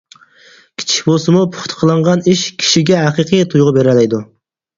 كىچىك بولسىمۇ پۇختا قىلىنغان ئىش كىشىگە ھەقىقىي تۇيغۇ بېرەلەيدۇ.